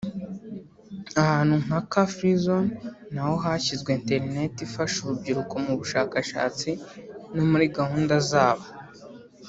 Ahantu nka Car Free Zone naho hashyizwe internet ifasha urubyiruko mu bushakashatsi no muri gahunda zabo